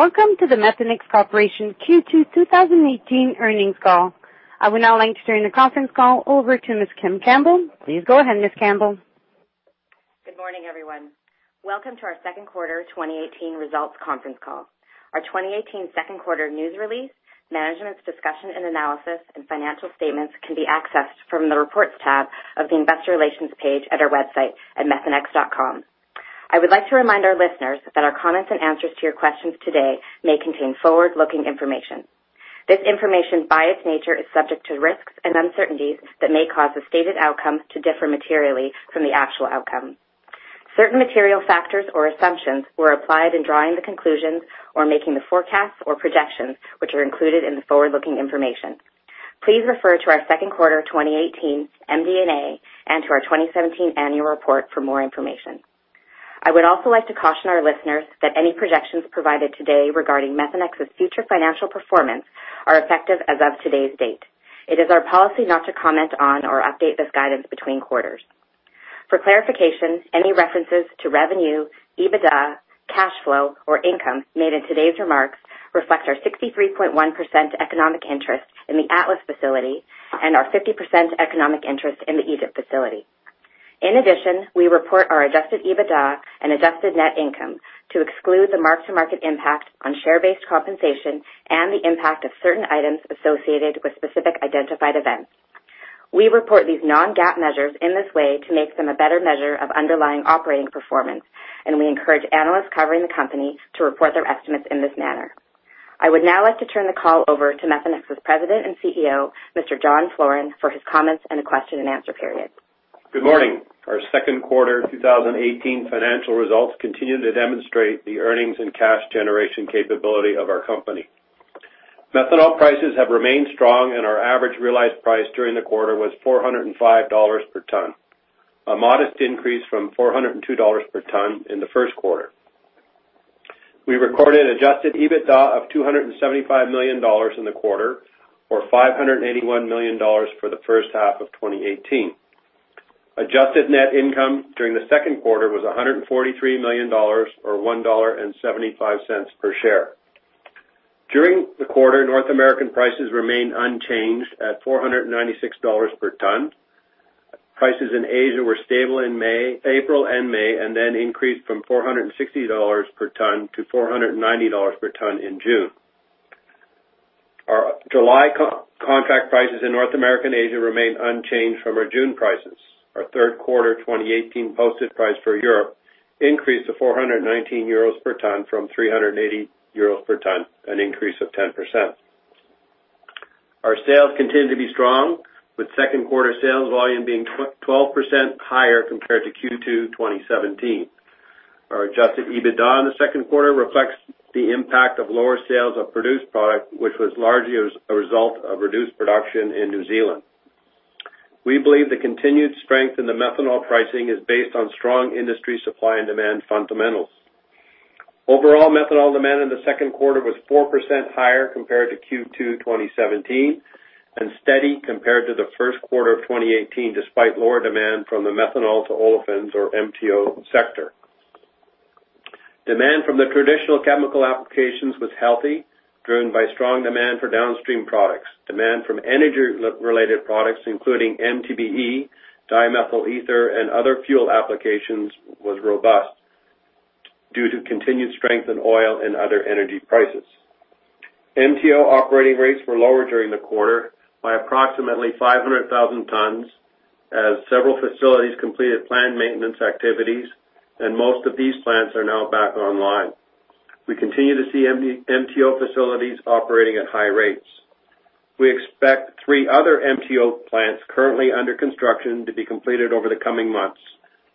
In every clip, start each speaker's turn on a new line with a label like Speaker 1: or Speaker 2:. Speaker 1: Welcome to the Methanex Corporation Q2 2018 earnings call. I would now like to turn the conference call over to Ms. Kim Campbell. Please go ahead, Ms. Campbell.
Speaker 2: Good morning, everyone. Welcome to our second quarter 2018 results conference call. Our 2018 second quarter news release, Management's Discussion and Analysis, and financial statements can be accessed from the Reports tab of the investor relations page at our website at methanex.com. I would like to remind our listeners that our comments and answers to your questions today may contain forward-looking information. This information, by its nature, is subject to risks and uncertainties that may cause the stated outcomes to differ materially from the actual outcome. Certain material factors or assumptions were applied in drawing the conclusions or making the forecasts or projections, which are included in the forward-looking information. Please refer to our second quarter 2018 MD&A and to our 2017 annual report for more information. I would also like to caution our listeners that any projections provided today regarding Methanex's future financial performance are effective as of today's date. It is our policy not to comment on or update this guidance between quarters. For clarification, any references to revenue, EBITDA, cash flow, or income made in today's remarks reflect our 63.1% economic interest in the Atlas facility and our 50% economic interest in the Egypt facility. In addition, we report our adjusted EBITDA and adjusted net income to exclude the mark-to-market impact on share-based compensation and the impact of certain items associated with specific identified events. We report these non-GAAP measures in this way to make them a better measure of underlying operating performance, and we encourage analysts covering the company to report their estimates in this manner. I would now like to turn the call over to Methanex's President and CEO, Mr. John Floren, for his comments and a question and answer period.
Speaker 3: Good morning. Our second quarter 2018 financial results continue to demonstrate the earnings and cash generation capability of our company. Methanol prices have remained strong, and our average realized price during the quarter was $405 per ton, a modest increase from $402 per ton in the first quarter. We recorded adjusted EBITDA of $275 million in the quarter, or $581 million for the first half of 2018. Adjusted net income during the second quarter was $143 million, or $1.75 per share. During the quarter, North American prices remained unchanged at $496 per ton. Prices in Asia were stable in April and May, and then increased from $460 per ton to $490 per ton in June. Our July contract prices in North America and Asia remained unchanged from our June prices. Our third quarter 2018 posted price for Europe increased to €419 per ton from €380 per ton, an increase of 10%. Our sales continue to be strong, with second quarter sales volume being 12% higher compared to Q2 2017. Our adjusted EBITDA in the second quarter reflects the impact of lower sales of produced product, which was largely a result of reduced production in New Zealand. We believe the continued strength in the methanol pricing is based on strong industry supply and demand fundamentals. Overall methanol demand in the second quarter was 4% higher compared to Q2 2017 and steady compared to the first quarter of 2018, despite lower demand from the methanol-to-olefins or MTO sector. Demand from the traditional chemical applications was healthy, driven by strong demand for downstream products. Demand from energy-related products, including MTBE, dimethyl ether, and other fuel applications, was robust due to continued strength in oil and other energy prices. MTO operating rates were lower during the quarter by approximately 500,000 tons, as several facilities completed planned maintenance activities, and most of these plants are now back online. We continue to see MTO facilities operating at high rates. We expect three other MTO plants currently under construction to be completed over the coming months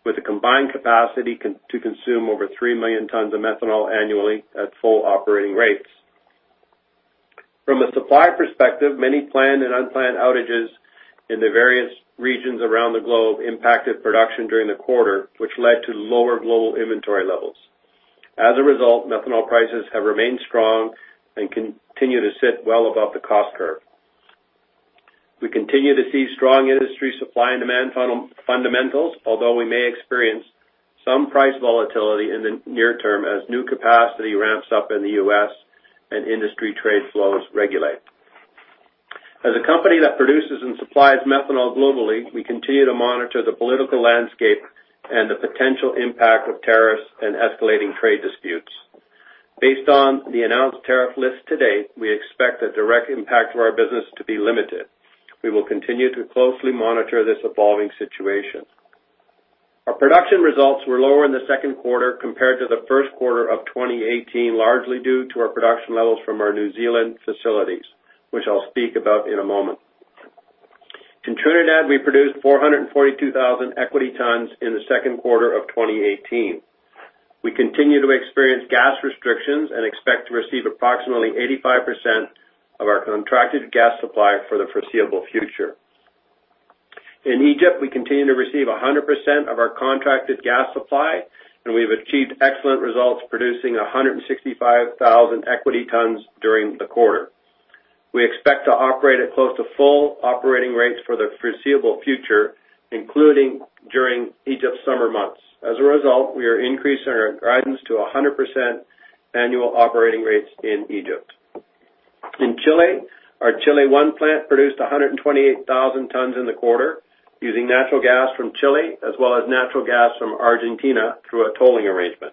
Speaker 3: with a combined capacity to consume over 3 million tons of methanol annually at full operating rates. From a supply perspective, many planned and unplanned outages in the various regions around the globe impacted production during the quarter, which led to lower global inventory levels. As a result, methanol prices have remained strong and continue to sit well above the cost curve. We continue to see strong industry supply and demand fundamentals, although we may experience some price volatility in the near term as new capacity ramps up in the U.S. and industry trade flows regulate. As a company that produces and supplies methanol globally, we continue to monitor the political landscape and the potential impact of tariffs and escalating trade disputes. Based on the announced tariff list to date, we expect the direct impact to our business to be limited. We will continue to closely monitor this evolving situation. Our production results were lower in the second quarter compared to the first quarter of 2018, largely due to our production levels from our New Zealand facilities, which I'll speak about in a moment. In Trinidad, we produced 442,000 equity tons in the second quarter of 2018. We continue to experience gas restrictions and expect to receive approximately 85% of our contracted gas supply for the foreseeable future. In Egypt, we continue to receive 100% of our contracted gas supply, and we have achieved excellent results, producing 165,000 equity tons during the quarter. We expect to operate at close to full operating rates for the foreseeable future, including during Egypt's summer months. As a result, we are increasing our guidance to 100% annual operating rates in Egypt. In Chile, our Chile I plant produced 128,000 tons in the quarter using natural gas from Chile, as well as natural gas from Argentina through a tolling arrangement.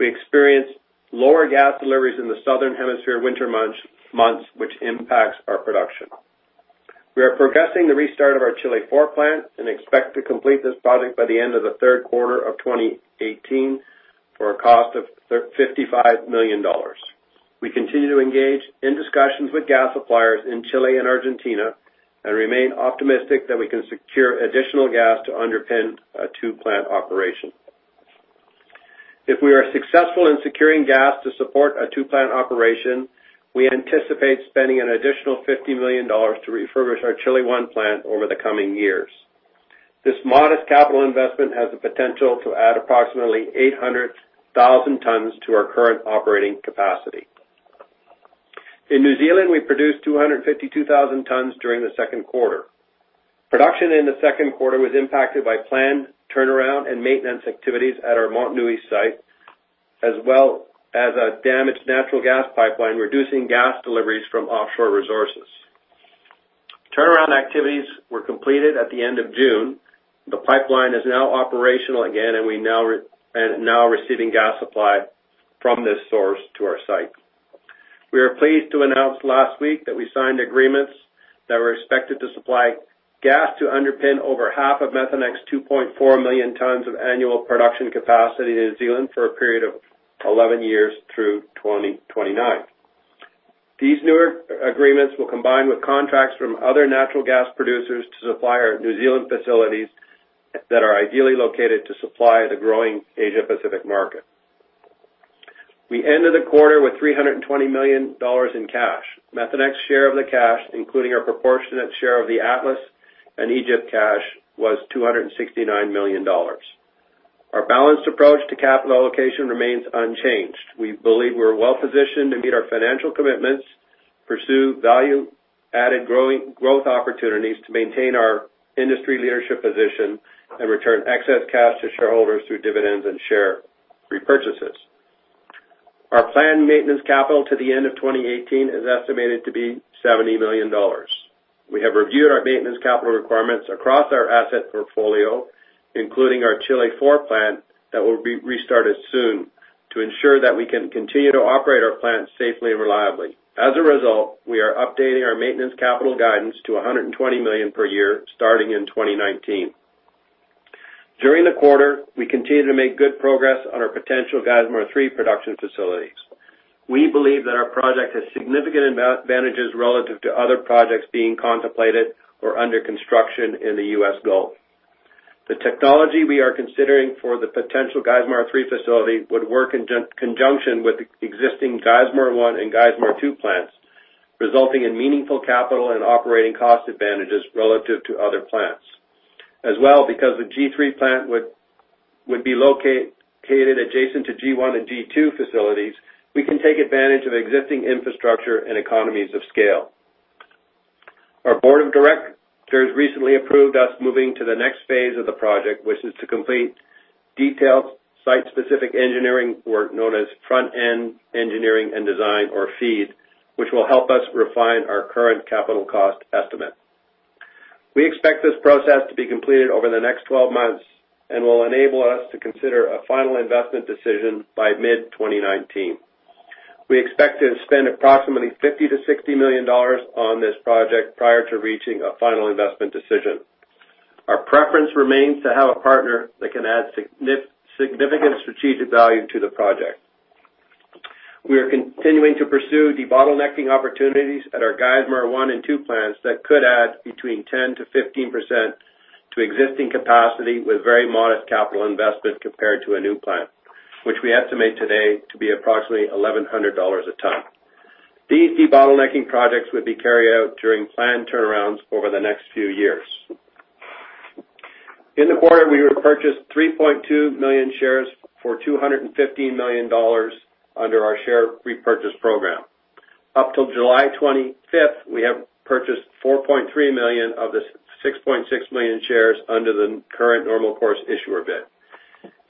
Speaker 3: We experienced lower gas deliveries in the southern hemisphere winter months, which impacts our production. We are progressing the restart of our Chile IV plant and expect to complete this project by the end of the third quarter of 2018 for a cost of $55 million. We continue to engage in discussions with gas suppliers in Chile and Argentina and remain optimistic that we can secure additional gas to underpin a two-plant operation. If we are successful in securing gas to support a two-plant operation, we anticipate spending an additional $50 million to refurbish our Chile I plant over the coming years. This modest capital investment has the potential to add approximately 800,000 tons to our current operating capacity. In New Zealand, we produced 252,000 tons during the second quarter. Production in the second quarter was impacted by planned turnaround and maintenance activities at our Motunui site, as well as a damaged natural gas pipeline, reducing gas deliveries from offshore resources. Turnaround activities were completed at the end of June. The pipeline is now operational again, and we are now receiving gas supply from this source to our site. We are pleased to announce last week that we signed agreements that were expected to supply gas to underpin over half of Methanex's 2.4 million tons of annual production capacity in New Zealand for a period of 11 years through 2029. These newer agreements will combine with contracts from other natural gas producers to supply our New Zealand facilities that are ideally located to supply the growing Asia Pacific market. We ended the quarter with $320 million in cash. Methanex's share of the cash, including our proportionate share of the Atlas and Egypt cash, was $269 million. Our balanced approach to capital allocation remains unchanged. We believe we're well-positioned to meet our financial commitments, pursue value-added growth opportunities to maintain our industry leadership position, and return excess cash to shareholders through dividends and share repurchases. Our planned maintenance capital to the end of 2018 is estimated to be $70 million. We have reviewed our maintenance capital requirements across our asset portfolio, including our Chile IV plant that will be restarted soon to ensure that we can continue to operate our plants safely and reliably. As a result, we are updating our maintenance capital guidance to $120 million per year, starting in 2019. During the quarter, we continued to make good progress on our potential Geismar 3 production facilities. We believe that our project has significant advantages relative to other projects being contemplated or under construction in the U.S. Gulf. The technology we are considering for the potential Geismar 3 facility would work in conjunction with the existing Geismar 1 and Geismar 2 plants, resulting in meaningful capital and operating cost advantages relative to other plants. Because the G3 plant would be located adjacent to G1 and G2 facilities, we can take advantage of existing infrastructure and economies of scale. Our board of directors recently approved us moving to the next phase of the project, which is to complete detailed site-specific engineering work known as Front End Engineering and Design, or FEED, which will help us refine our current capital cost estimate. We expect this process to be completed over the next 12 months and will enable us to consider a final investment decision by mid-2019. We expect to spend approximately $50 million-$60 million on this project prior to reaching a final investment decision. Our preference remains to have a partner that can add significant strategic value to the project. We are continuing to pursue debottlenecking opportunities at our Geismar 1 and 2 plants that could add between 10%-15% to existing capacity with very modest capital investment compared to a new plant, which we estimate today to be approximately $1,100 a ton. These debottlenecking projects would be carried out during planned turnarounds over the next few years. In the quarter, we repurchased 3.2 million shares for $215 million under our share repurchase program. Up till July 25th, we have purchased 4.3 million of the 6.6 million shares under the current normal course issuer bid.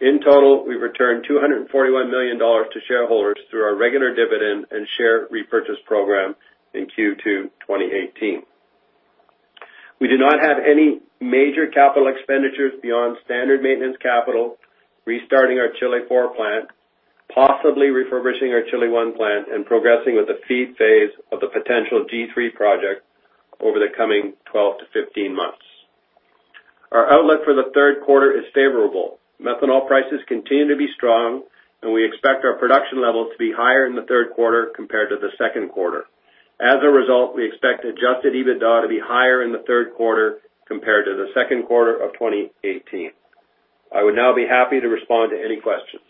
Speaker 3: In total, we returned $241 million to shareholders through our regular dividend and share repurchase program in Q2 2018. We do not have any major capital expenditures beyond standard maintenance capital, restarting our Chile Four plant, possibly refurbishing our Chile One plant, and progressing with the FEED phase of the potential G3 project over the coming 12 to 15 months. Our outlook for the third quarter is favorable. Methanol prices continue to be strong, and we expect our production levels to be higher in the third quarter compared to the second quarter. We expect adjusted EBITDA to be higher in the third quarter compared to the second quarter of 2018. I would now be happy to respond to any questions.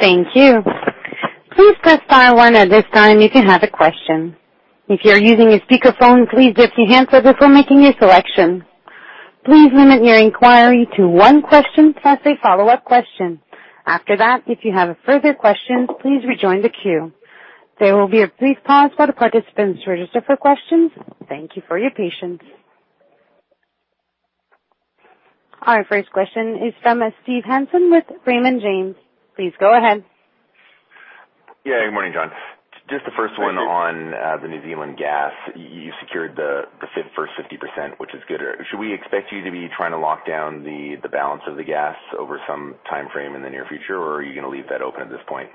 Speaker 1: Thank you. Please press star one at this time if you have a question. If you are using a speakerphone, please deafen your handset before making your selection. Please limit your inquiry to one question plus a follow-up question. After that, if you have a further question, please rejoin the queue. There will be a brief pause for the participants to register for questions. Thank you for your patience. Our first question is from Steve Hansen with Raymond James. Please go ahead.
Speaker 4: Yeah. Good morning, John. Just the first one on the New Zealand gas. You secured the first 50%, which is good. Should we expect you to be trying to lock down the balance of the gas over some timeframe in the near future? Or are you going to leave that open at this point?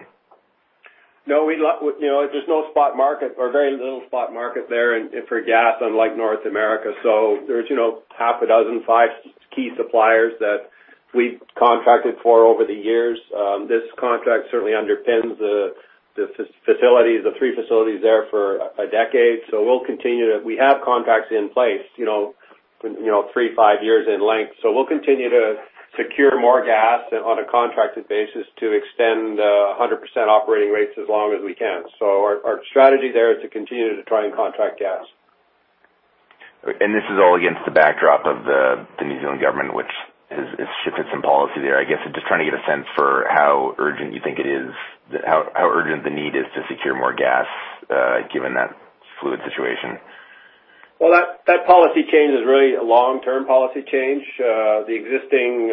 Speaker 3: No. There's no spot market or very little spot market there for gas, unlike North America. There's half a dozen, five key suppliers that we've contracted for over the years. This contract certainly underpins the three facilities there for a decade. We have contracts in place three to five years in length. We'll continue to secure more gas on a contracted basis to extend 100% operating rates as long as we can. Our strategy there is to continue to try and contract gas.
Speaker 4: This is all against the backdrop of the New Zealand government, which has shifted some policy there. I guess I'm just trying to get a sense for how urgent the need is to secure more gas, given that fluid situation.
Speaker 3: Well, that policy change is really a long-term policy change. The existing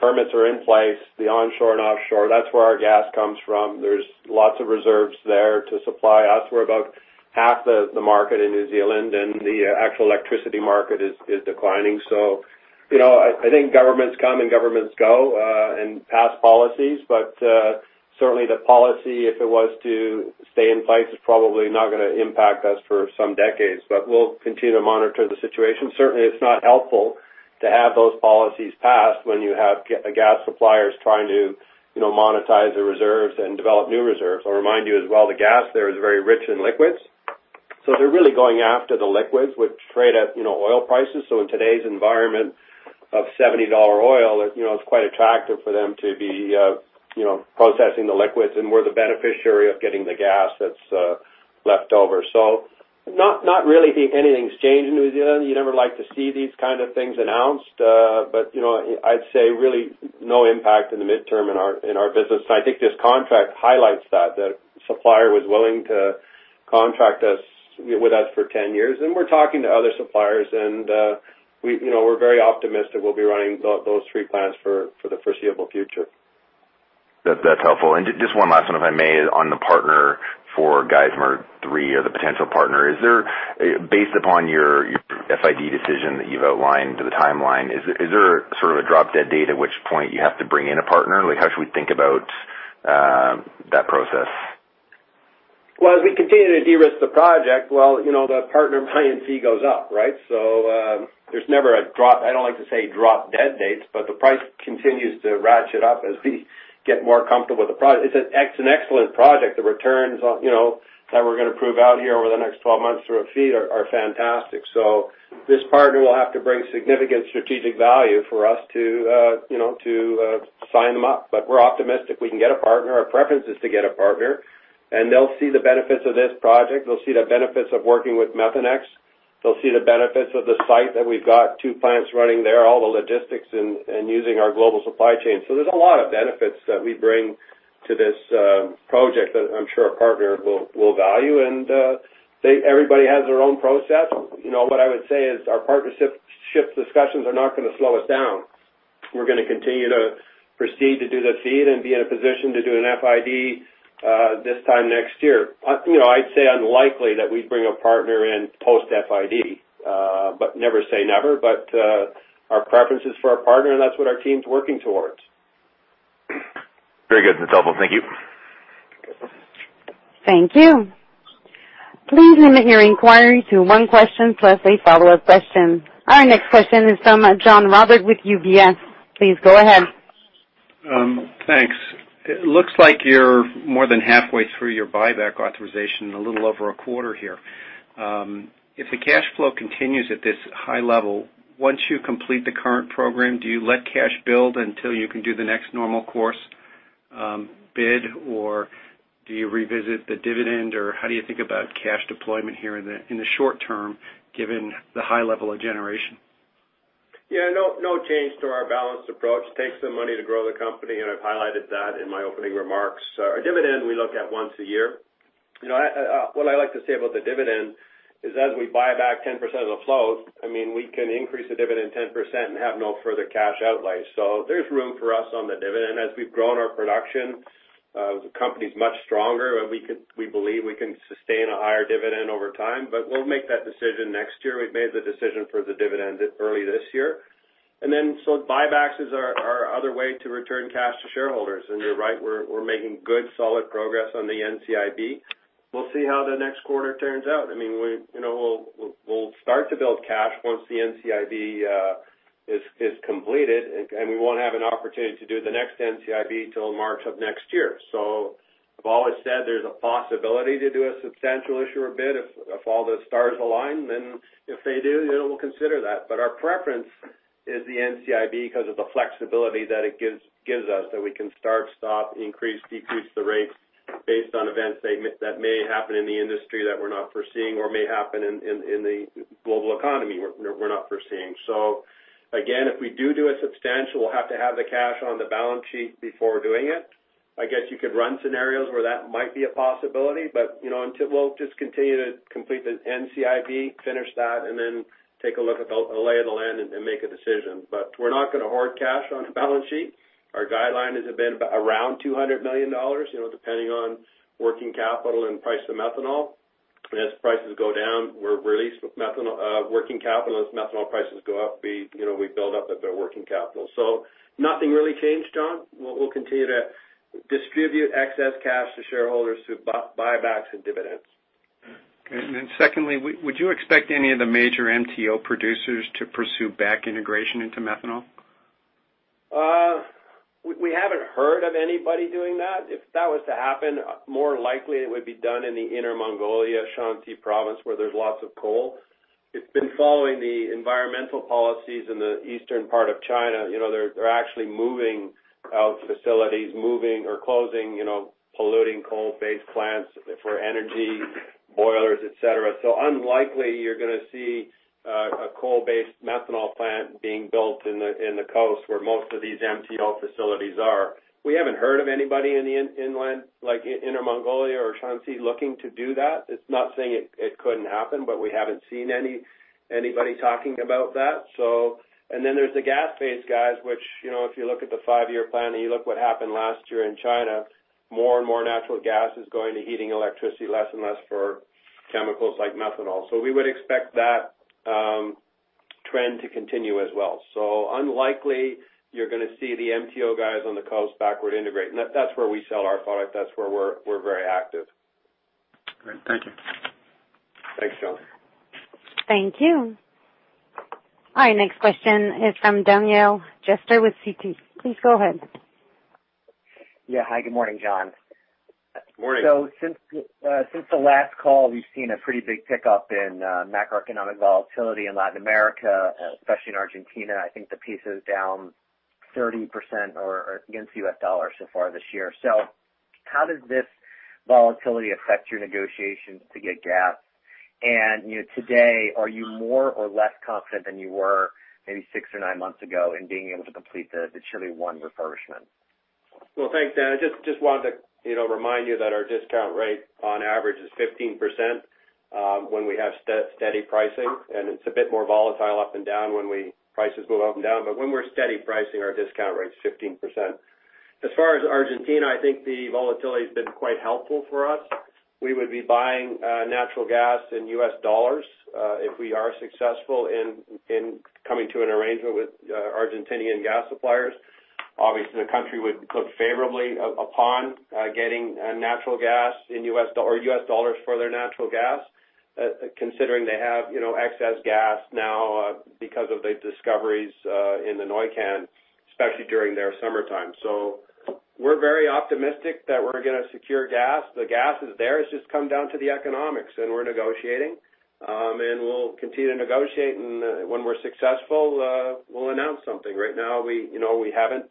Speaker 3: permits are in place, the onshore and offshore. That's where our gas comes from. There's lots of reserves there to supply us. We're about half the market in New Zealand, and the actual electricity market is declining. I think governments come and governments go, and pass policies. Certainly the policy, if it was to stay in place, is probably not going to impact us for some decades, but we'll continue to monitor the situation. Certainly, it's not helpful to have those policies passed when you have gas suppliers trying to monetize the reserves and develop new reserves. I'll remind you as well, the gas there is very rich in liquids. They're really going after the liquids, which trade at oil prices. In today's environment of $70 oil, it's quite attractive for them to be processing the liquids, and we're the beneficiary of getting the gas that's left over. Not really anything's changed in New Zealand. You never like to see these kind of things announced. I'd say really no impact in the midterm in our business. I think this contract highlights that, the supplier was willing to contract with us for 10 years. We're talking to other suppliers, and we're very optimistic we'll be running those three plants for the foreseeable future.
Speaker 4: That's helpful. Just one last one, if I may, on the partner for Geismar 3 or the potential partner. Based upon your FID decision that you've outlined, the timeline, is there sort of a drop-dead date at which point you have to bring in a partner? How should we think about that process?
Speaker 3: As we continue to de-risk the project, the partner buy-in fee goes up, right? There's never a I don't like to say drop-dead dates, but the price continues to ratchet up as we get more comfortable with the project. It's an excellent project. The returns that we're going to prove out here over the next 12 months through a FEED are fantastic. This partner will have to bring significant strategic value for us to sign them up. We're optimistic we can get a partner. Our preference is to get a partner. They'll see the benefits of this project. They'll see the benefits of working with Methanex. They'll see the benefits of the site that we've got two plants running there, all the logistics, and using our global supply chain. There's a lot of benefits that we bring to this project that I'm sure a partner will value. Everybody has their own process. What I would say is our partnership discussions are not going to slow us down. We're going to continue to proceed to do the FEED and be in a position to do an FID this time next year. I'd say unlikely that we'd bring a partner in post-FID, never say never. Our preference is for a partner, and that's what our team's working towards.
Speaker 4: Very good. That's helpful. Thank you.
Speaker 1: Thank you. Please limit your inquiry to one question plus a follow-up question. Our next question is from John Roberts with UBS. Please go ahead.
Speaker 5: Thanks. It looks like you're more than halfway through your buyback authorization in a little over a quarter here. If the cash flow continues at this high level, once you complete the current program, do you let cash build until you can do the next normal course bid? Or do you revisit the dividend? Or how do you think about cash deployment here in the short term, given the high level of generation?
Speaker 3: Yeah. No change to our balanced approach. Takes some money to grow the company. I've highlighted that in my opening remarks. Our dividend, we look at once a year. What I like to say about the dividend is as we buy back 10% of the float, we can increase the dividend 10% and have no further cash outlay. There's room for us on the dividend. As we've grown our production, the company's much stronger, and we believe we can sustain a higher dividend over time. We'll make that decision next year. We've made the decision for the dividend early this year. Buybacks is our other way to return cash to shareholders. You're right, we're making good, solid progress on the NCIB. We'll see how the next quarter turns out. We'll start to build cash once the NCIB is completed, and we won't have an opportunity to do the next NCIB until March of next year. I've always said there's a possibility to do a substantial issuer bid if all the stars align, then if they do, we'll consider that. Our preference is the NCIB because of the flexibility that it gives us, that we can start, stop, increase, decrease the rates based on events that may happen in the industry that we're not foreseeing or may happen in the global economy we're not foreseeing. Again, if we do a substantial, we'll have to have the cash on the balance sheet before doing it. I guess you could run scenarios where that might be a possibility, we'll just continue to complete the NCIB, finish that, and then take a look at the lay of the land and make a decision. We're not going to hoard cash on the balance sheet. Our guidelines have been around $200 million, depending on working capital and price of methanol. As prices go down, we release working capital. As methanol prices go up, we build up a bit of working capital. Nothing really changed, John. We'll continue to distribute excess cash to shareholders through buybacks and dividends.
Speaker 5: Okay. Then secondly, would you expect any of the major MTO producers to pursue back integration into methanol?
Speaker 3: We haven't heard of anybody doing that. If that was to happen, more likely it would be done in the Inner Mongolia, Shaanxi Province, where there's lots of coal. It's been following the environmental policies in the eastern part of China. They're actually moving out facilities, moving or closing polluting coal-based plants for energy boilers, et cetera. Unlikely you're going to see a coal-based methanol plant being built in the coast where most of these MTO facilities are. We haven't heard of anybody in the inland, like Inner Mongolia or Shaanxi, looking to do that. It's not saying it couldn't happen, but we haven't seen anybody talking about that. There's the gas phase, guys, which, if you look at the five-year plan and you look what happened last year in China, more and more natural gas is going to heating electricity, less and less for chemicals like methanol. We would expect that trend to continue as well. Unlikely you're going to see the MTO guys on the coast backward integrate. That's where we sell our product. That's where we're very active.
Speaker 5: Great. Thank you.
Speaker 3: Thanks, John.
Speaker 1: Thank you. Our next question is from Daniel Jester with Citi. Please go ahead.
Speaker 6: Yeah. Hi, good morning, John.
Speaker 3: Morning.
Speaker 6: Since the last call, we've seen a pretty big pickup in macroeconomic volatility in Latin America, especially in Argentina. I think the peso is down 30% against US dollars so far this year. How does this volatility affect your negotiations to get gas? Today, are you more or less confident than you were maybe six or nine months ago in being able to complete the Chile I refurbishment?
Speaker 3: Well, thanks, Dan. I just wanted to remind you that our discount rate on average is 15%, when we have steady pricing, and it's a bit more volatile up and down when prices move up and down. When we're steady pricing, our discount rate is 15%. As far as Argentina, I think the volatility has been quite helpful for us. We would be buying natural gas in US dollars, if we are successful in coming to an arrangement with Argentinian gas suppliers. Obviously, the country would look favorably upon getting natural gas or US dollars for their natural gas, considering they have excess gas now because of the discoveries in the Neuquén, especially during their summertime. We're very optimistic that we're going to secure gas. The gas is there. It's just come down to the economics, and we're negotiating. We'll continue to negotiate, and when we're successful, we'll announce something. Right now, we haven't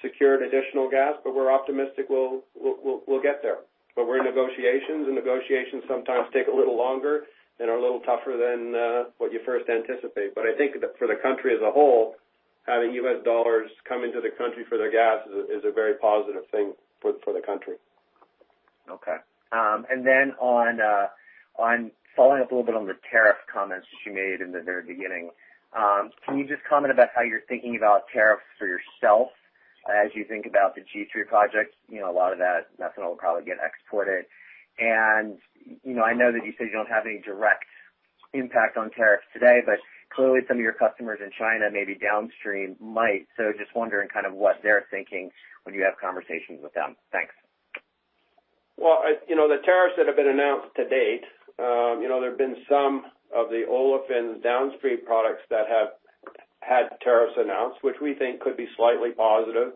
Speaker 3: secured additional gas, but we're optimistic we'll get there. We're in negotiations, and negotiations sometimes take a little longer and are a little tougher than what you first anticipate. I think for the country as a whole, having US dollars come into the country for their gas is a very positive thing for the country.
Speaker 6: Okay. Following up a little bit on the tariff comments you made in the very beginning. Can you just comment about how you're thinking about tariffs for yourself as you think about the G3 project? A lot of that methanol will probably get exported. I know that you said you don't have any direct impact on tariffs today, but clearly, some of your customers in China, maybe downstream might. Just wondering what they're thinking when you have conversations with them. Thanks.
Speaker 3: Well, the tariffs that have been announced to date, there have been some of the olefin downstream products that have had tariffs announced, which we think could be slightly positive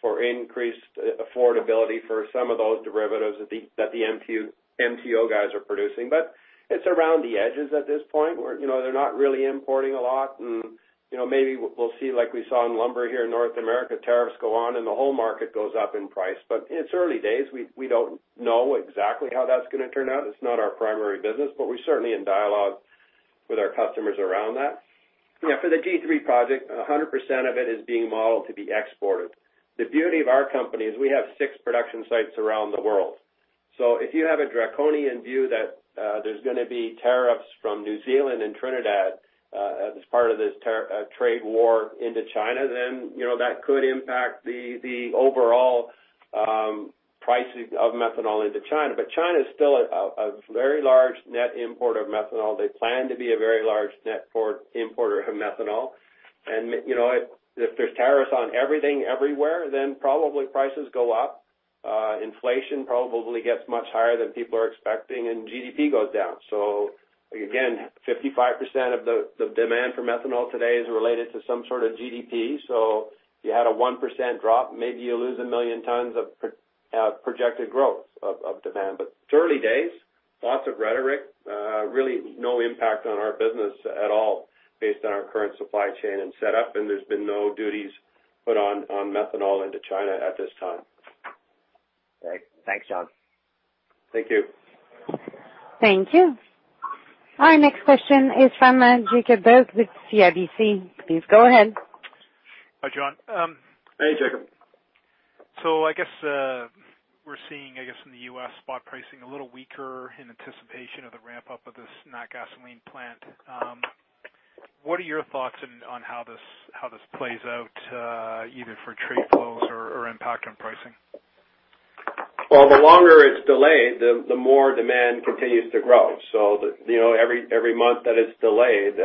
Speaker 3: for increased affordability for some of those derivatives that the MTO guys are producing. But it's around the edges at this point. They're not really importing a lot, and maybe we'll see, like we saw in lumber here in North America, tariffs go on, and the whole market goes up in price. But it's early days. We don't know exactly how that's going to turn out. It's not our primary business, but we're certainly in dialogue with our customers around that. For the G3 project, 100% of it is being modeled to be exported. The beauty of our company is we have six production sites around the world. If you have a draconian view that there's going to be tariffs from New Zealand and Trinidad as part of this trade war into China, then that could impact the overall pricing of methanol into China. But China is still a very large net importer of methanol. They plan to be a very large net importer of methanol. And if there's tariffs on everything everywhere, then probably prices go up. Inflation probably gets much higher than people are expecting, and GDP goes down. Again, 55% of the demand for methanol today is related to some sort of GDP. If you had a 1% drop, maybe you lose 1 million tons of projected growth of demand. But it's early days. Lots of rhetoric. Really no impact on our business at all based on our current supply chain and setup, and there's been no duties put on methanol into China at this time.
Speaker 6: Okay. Thanks, John.
Speaker 3: Thank you.
Speaker 1: Thank you. Our next question is from Jacob Burke with CIBC. Please go ahead.
Speaker 7: Hi, John.
Speaker 3: Hey, Jacob.
Speaker 7: I guess we're seeing in the U.S. spot pricing a little weaker in anticipation of the ramp-up of this Natgasoline plant. What are your thoughts on how this plays out, either for trade flows or impact on pricing?
Speaker 3: Well, the longer it's delayed, the more demand continues to grow. Every month that it's delayed,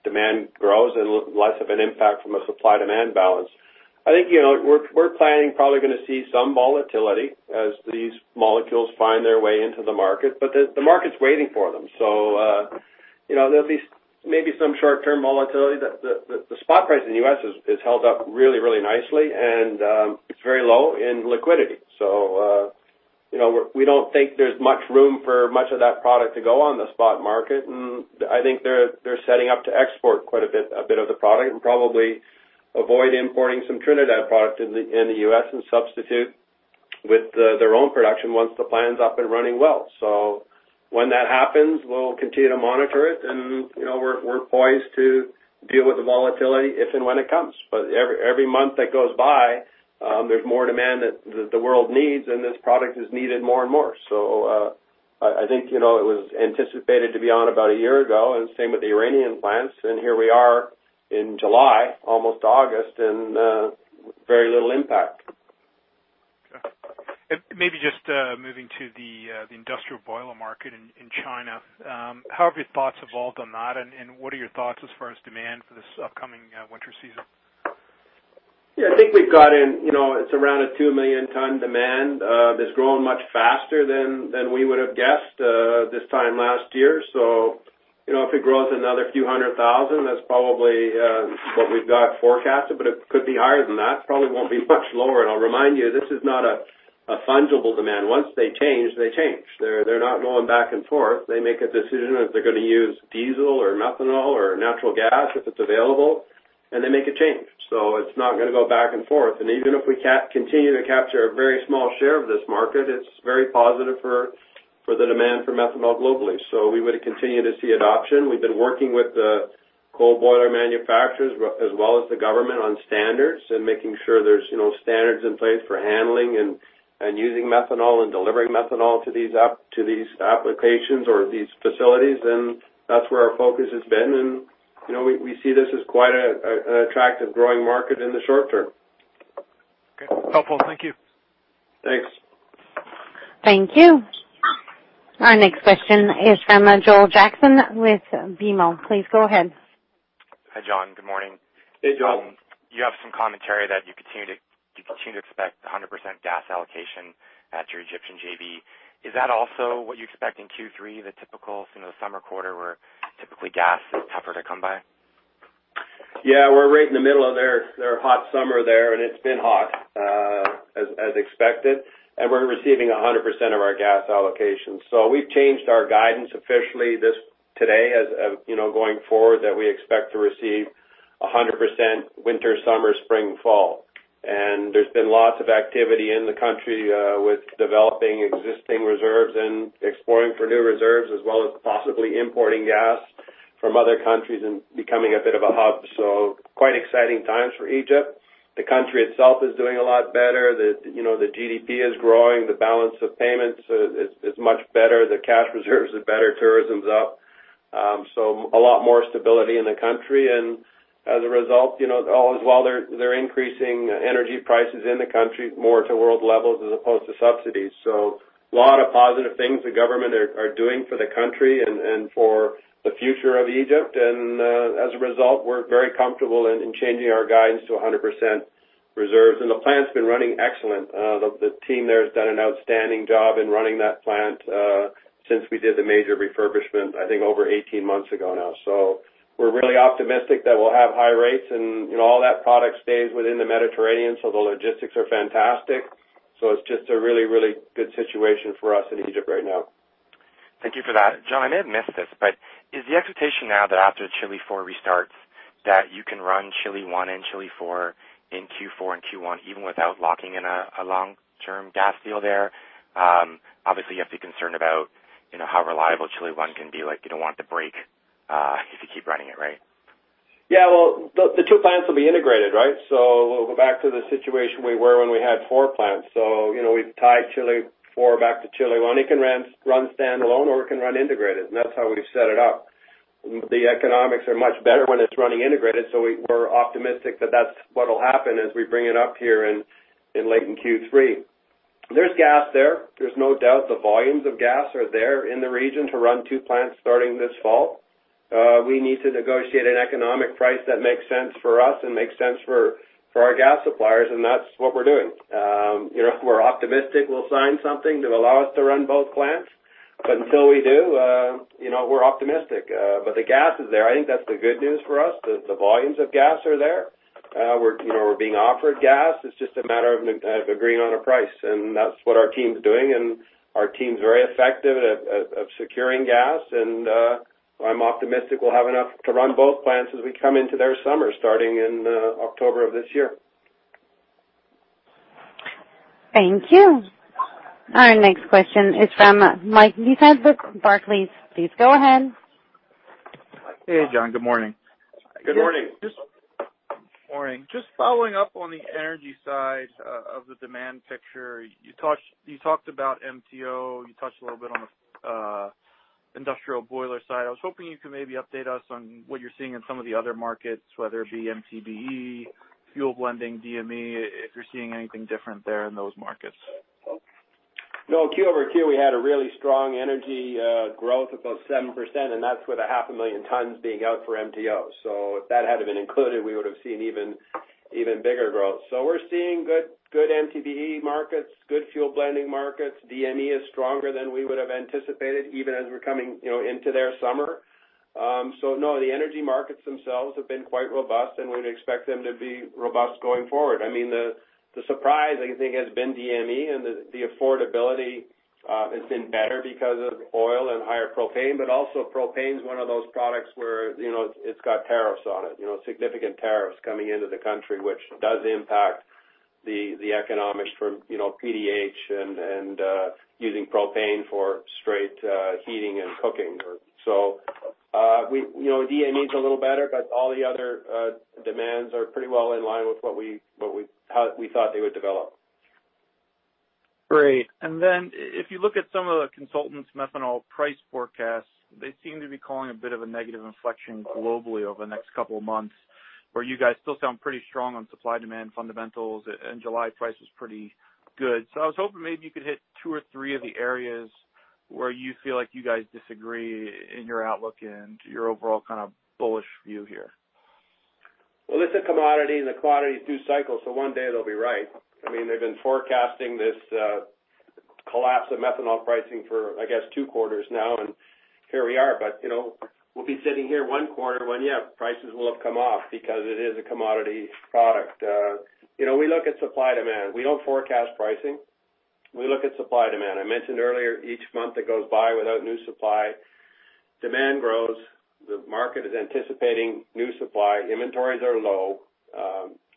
Speaker 3: demand grows and less of an impact from a supply-demand balance. I think, we're planning probably going to see some volatility as these molecules find their way into the market, the market's waiting for them. There'll be maybe some short-term volatility. The spot price in the U.S. has held up really nicely, and it's very low in liquidity. We don't think there's much room for much of that product to go on the spot market. I think they're setting up to export quite a bit of the product and probably avoid importing some Trinidad product in the U.S. and substitute with their own production once the plant is up and running well. When that happens, we'll continue to monitor it, and we're poised to deal with the volatility if and when it comes. Every month that goes by, there's more demand that the world needs, and this product is needed more and more. I think, it was anticipated to be on about a year ago, and same with the Iranian plants. Here we are in July, almost August, and very little impact.
Speaker 7: Sure. Maybe just moving to the industrial boiler market in China. How have your thoughts evolved on that, and what are your thoughts as far as demand for this upcoming winter season?
Speaker 3: Yeah, I think we've got in, it's around a 2 million ton demand. That's grown much faster than we would have guessed this time last year. If it grows another few hundred thousand, that's probably what we've got forecasted, but it could be higher than that. Probably won't be much lower. I'll remind you, this is not a fungible demand. Once they change, they change. They're not going back and forth. They make a decision if they're gonna use diesel or methanol or natural gas, if it's available, and they make a change. It's not gonna go back and forth. Even if we continue to capture a very small share of this market, it's very positive for the demand for methanol globally. We would continue to see adoption. We've been working with the coal boiler manufacturers as well as the government on standards and making sure there's standards in place for handling and using methanol and delivering methanol to these applications or these facilities. That's where our focus has been. We see this as quite an attractive growing market in the short term.
Speaker 7: Okay. Helpful. Thank you.
Speaker 3: Thanks.
Speaker 1: Thank you. Our next question is from Joel Jackson with BMO. Please go ahead.
Speaker 8: Hi, John. Good morning.
Speaker 3: Hey, Joel.
Speaker 8: You have some commentary that you continue to expect 100% gas allocation at your Egyptian JV. Is that also what you expect in Q3, the typical summer quarter where typically gas is tougher to come by?
Speaker 3: Yeah, we're right in the middle of their hot summer there, and it's been hot, as expected. We're receiving 100% of our gas allocations. We've changed our guidance officially today as going forward, that we expect to receive 100% winter, summer, spring, fall. There's been lots of activity in the country, with developing existing reserves and exploring for new reserves, as well as possibly importing gas from other countries and becoming a bit of a hub. Quite exciting times for Egypt. The country itself is doing a lot better. The GDP is growing, the balance of payments is much better. The cash reserves are better. Tourism's up. A lot more stability in the country. As a result, as well, they're increasing energy prices in the country more to world levels as opposed to subsidies. A lot of positive things the government are doing for the country and for the future of Egypt. As a result, we're very comfortable in changing our guidance to 100% reserves. The plant's been running excellent. The team there has done an outstanding job in running that plant, since we did the major refurbishment, I think over 18 months ago now. We're really optimistic that we'll have high rates and all that product stays within the Mediterranean, so the logistics are fantastic. It's just a really good situation for us in Egypt right now.
Speaker 8: Thank you for that. John, I may have missed this, but is the expectation now that after Chile IV restarts, that you can run Chile I and Chile IV in Q4 and Q1 even without locking in a long-term gas deal there? Obviously, you have to be concerned about how reliable Chile I can be, like you don't want it to break, if you keep running it, right?
Speaker 3: Yeah. Well, the two plants will be integrated, right? We'll go back to the situation we were when we had four plants. We've tied Chile IV back to Chile I. It can run standalone or it can run integrated, and that's how we set it up. The economics are much better when it's running integrated, so we're optimistic that that's what'll happen as we bring it up here in late Q3. There's gas there. There's no doubt the volumes of gas are there in the region to run two plants starting this fall. We need to negotiate an economic price that makes sense for us and makes sense for our gas suppliers, and that's what we're doing. We're optimistic we'll sign something to allow us to run both plants, but until we do We're optimistic. The gas is there. I think that's the good news for us, that the volumes of gas are there. We're being offered gas. It's just a matter of agreeing on a price, and that's what our team's doing, and our team's very effective at securing gas. I'm optimistic we'll have enough to run both plants as we come into their summer, starting in October of this year.
Speaker 1: Thank you. Our next question is from Michael Slifirski with Barclays. Please go ahead.
Speaker 9: Hey, John. Good morning.
Speaker 3: Good morning.
Speaker 9: Morning. Just following up on the energy side of the demand picture. You talked about MTO, you touched a little bit on the industrial boiler side. I was hoping you could maybe update us on what you're seeing in some of the other markets, whether it be MTBE, fuel blending, DME, if you're seeing anything different there in those markets.
Speaker 3: Q over Q, we had a really strong energy growth, about 7%, and that's with a half a million tons being out for MTO. If that hadn't been included, we would've seen even bigger growth. We're seeing good MTBE markets, good fuel blending markets. DME is stronger than we would've anticipated, even as we're coming into their summer. No, the energy markets themselves have been quite robust, and we'd expect them to be robust going forward. The surprise, I think, has been DME, and the affordability has been better because of oil and higher propane. Also, propane's one of those products where it's got tariffs on it. Significant tariffs coming into the country, which does impact the economics from PDH and using propane for straight heating and cooking. DME's a little better, but all the other demands are pretty well in line with how we thought they would develop.
Speaker 9: Great. If you look at some of the consultants' methanol price forecasts, they seem to be calling a bit of a negative inflection globally over the next couple of months. Where you guys still sound pretty strong on supply-demand fundamentals, and July price was pretty good. I was hoping maybe you could hit two or three of the areas where you feel like you guys disagree in your outlook and your overall bullish view here.
Speaker 3: It's a commodity, the commodity's due cycle, one day they'll be right. They've been forecasting this collapse of methanol pricing for, I guess, two quarters now, here we are. We'll be sitting here one quarter when prices will have come off because it is a commodity product. We look at supply-demand. We don't forecast pricing. We look at supply-demand. I mentioned earlier, each month that goes by without new supply, demand grows. The market is anticipating new supply. Inventories are low.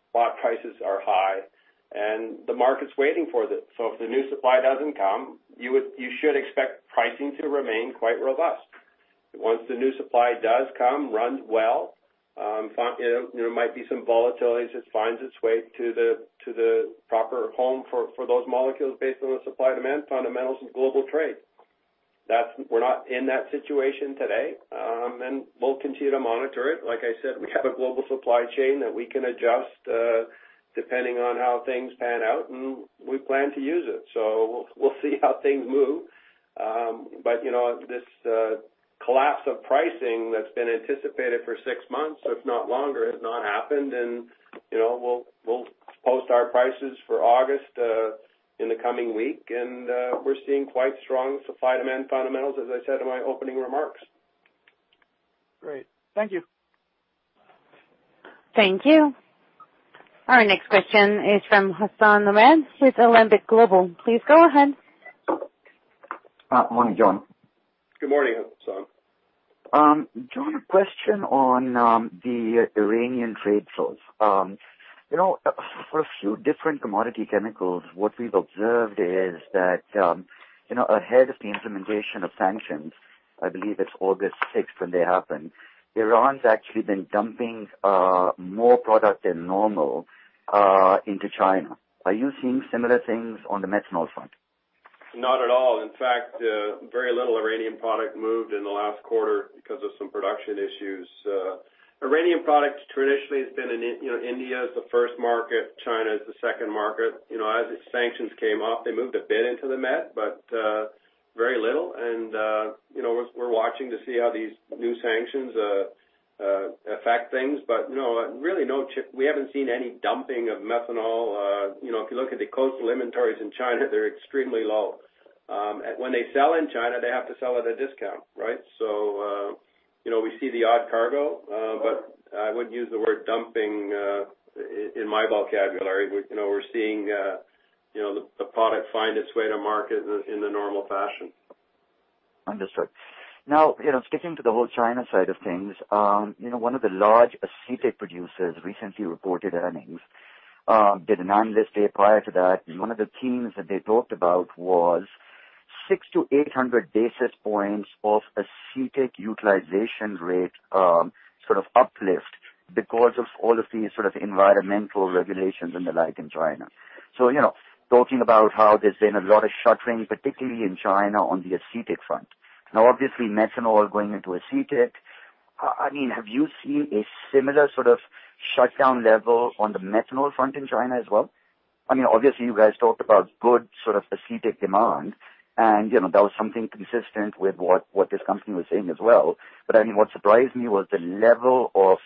Speaker 3: Spot prices are high. The market's waiting for it. If the new supply doesn't come, you should expect pricing to remain quite robust. Once the new supply does come, runs well, there might be some volatility as it finds its way to the proper home for those molecules based on the supply-demand fundamentals and global trade. We're not in that situation today, we'll continue to monitor it. Like I said, we have a global supply chain that we can adjust depending on how things pan out, we plan to use it. We'll see how things move. This collapse of pricing that's been anticipated for six months, if not longer, has not happened. We'll post our prices for August in the coming week, we're seeing quite strong supply-demand fundamentals, as I said in my opening remarks.
Speaker 9: Great. Thank you.
Speaker 1: Thank you. Our next question is from Hassan Ahmed with Alembic Global Advisors. Please go ahead.
Speaker 10: Morning, John.
Speaker 3: Good morning, Hassan.
Speaker 10: John, a question on the Iranian trade flows. For a few different commodity chemicals, what we've observed is that ahead of the implementation of sanctions, I believe it's August 6th when they happen, Iran's actually been dumping more product than normal into China. Are you seeing similar things on the methanol front?
Speaker 3: Not at all. In fact, very little Iranian product moved in the last quarter because of some production issues. Iranian product traditionally has been in India as the first market, China as the second market. As the sanctions came off, they moved a bit into the Med, but very little. We're watching to see how these new sanctions affect things. No, we haven't seen any dumping of methanol. If you look at the coastal inventories in China, they're extremely low. When they sell in China, they have to sell at a discount, right? We see the odd cargo. I wouldn't use the word dumping in my vocabulary. We're seeing the product find its way to market in the normal fashion.
Speaker 10: Understood. Sticking to the whole China side of things. One of the large acetic producers recently reported earnings. Did an analyst day prior to that. One of the themes that they talked about was 600 to 800 basis points of acetic utilization rate uplift because of all of these sort of environmental regulations and the like in China. Talking about how there's been a lot of shut trains, particularly in China on the acetic front. Obviously methanol going into acetic. Have you seen a similar sort of shutdown level on the methanol front in China as well? Obviously you guys talked about good acetic demand, and that was something consistent with what this company was saying as well. What surprised me was the level of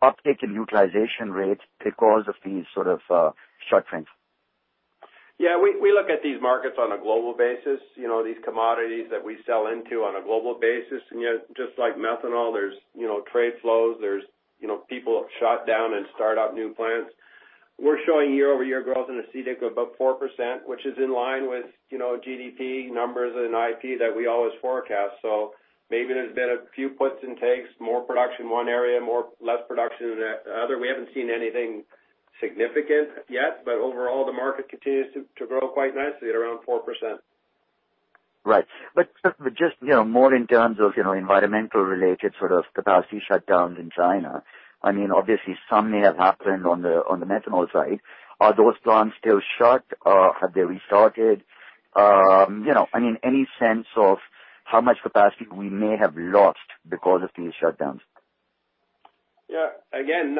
Speaker 10: uptick in utilization rates because of these sort of shut trains.
Speaker 3: Yeah. We look at these markets on a global basis, these commodities that we sell into on a global basis. Yet, just like methanol, there's trade flows, there's people shut down and start up new plants. We're showing year-over-year growth in acetic of about 4%, which is in line with GDP numbers and IP that we always forecast. Maybe there's been a few puts and takes, more production in one area, less production in the other. We haven't seen anything significant yet, but overall, the market continues to grow quite nicely at around 4%.
Speaker 10: Right. Just, more in terms of environmental related sort of capacity shutdowns in China. Some may have happened on the methanol side. Are those plants still shut or have they restarted? Any sense of how much capacity we may have lost because of these shutdowns?
Speaker 3: Yeah. Again,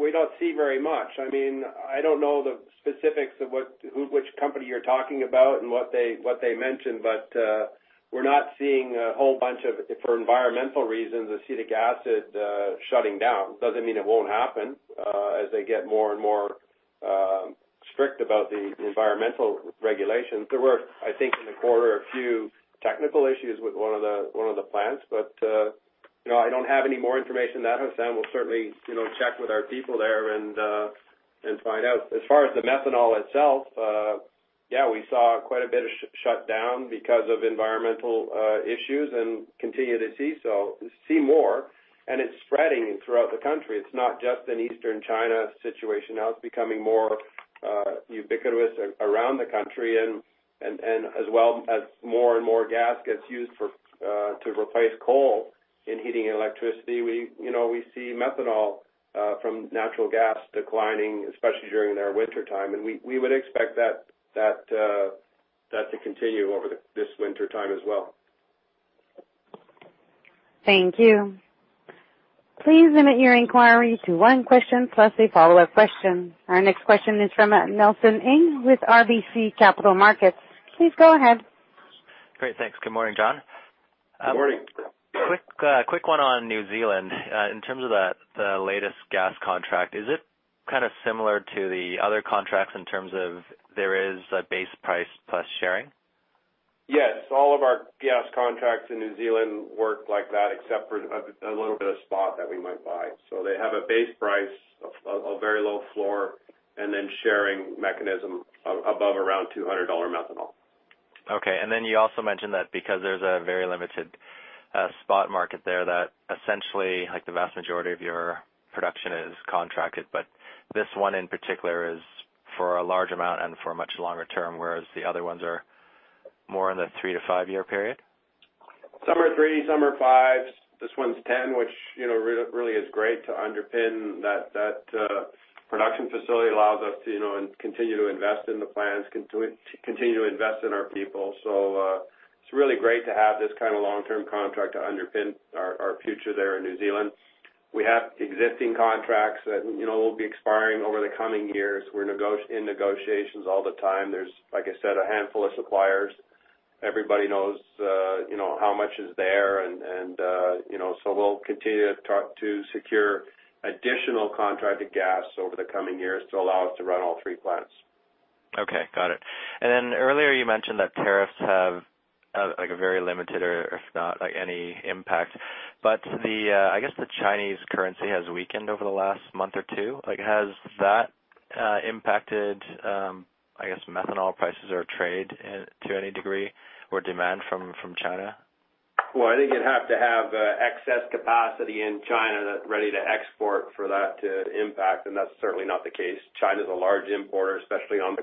Speaker 3: we don't see very much. I don't know the specifics of which company you're talking about and what they mentioned, we're not seeing a whole bunch of, for environmental reasons, acetic acid shutting down. Doesn't mean it won't happen as they get more and more strict about the environmental regulations. There were, I think, in the quarter, a few technical issues with one of the plants, I don't have any more information than that, Hassan. We'll certainly check with our people there and find out. As far as the methanol itself, yeah, we saw quite a bit of shut down because of environmental issues, continue to see more, it's spreading throughout the country. It's not just an Eastern China situation now. It's becoming more ubiquitous around the country, as more and more gas gets used to replace coal in heating and electricity, we see methanol from natural gas declining, especially during their wintertime. We would expect that to continue over this wintertime as well.
Speaker 1: Thank you. Please limit your inquiry to one question plus a follow-up question. Our next question is from Nelson Ng with RBC Capital Markets. Please go ahead.
Speaker 11: Great. Thanks. Good morning, John.
Speaker 3: Good morning.
Speaker 11: Quick one on New Zealand. In terms of the latest gas contract, is it kind of similar to the other contracts in terms of there is a base price plus sharing?
Speaker 3: Yes, all of our gas contracts in New Zealand work like that, except for a little bit of spot that we might buy. They have a base price, a very low floor, and then sharing mechanism above around $200 methanol.
Speaker 11: Okay. You also mentioned that because there's a very limited spot market there, that essentially the vast majority of your production is contracted. This one in particular is for a large amount and for a much longer term, whereas the other ones are more in the three to five-year period.
Speaker 3: Some are three, some are fives. This one's 10, which really is great to underpin that production facility. Allows us to continue to invest in the plans, continue to invest in our people. It's really great to have this kind of long-term contract to underpin our future there in New Zealand. We have existing contracts that will be expiring over the coming years. We're in negotiations all the time. There's, like I said, a handful of suppliers. Everybody knows how much is there, we'll continue to talk to secure additional contracted gas over the coming years to allow us to run all three plants.
Speaker 11: Okay. Got it. Earlier you mentioned that tariffs have a very limited or if not any impact. I guess the Chinese currency has weakened over the last month or two. Has that impacted, I guess, methanol prices or trade to any degree, or demand from China?
Speaker 3: I think you'd have to have excess capacity in China that's ready to export for that to impact, and that's certainly not the case. China's a large importer, especially on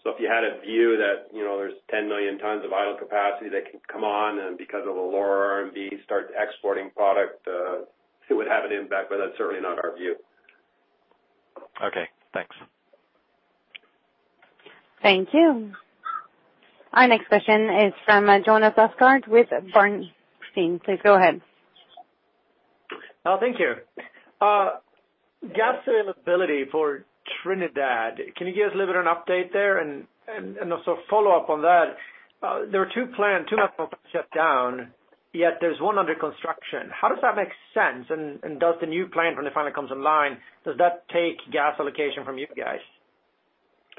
Speaker 3: the coast of methanol. If you had a view that there's 10 million tons of idle capacity that can come on, and because of a lower RMB, start exporting product, it would have an impact, but that's certainly not our view.
Speaker 11: Okay, thanks.
Speaker 1: Thank you. Our next question is from Jonas Oxgaard with Bernstein. Please go ahead.
Speaker 12: Thank you. Gas availability for Trinidad, can you give us a little bit of an update there? Also follow up on that, there were two plants, two methanols shut down, yet there's one under construction. How does that make sense? Does the new plant, when it finally comes online, does that take gas allocation from you guys?